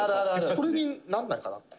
それにならないかな？」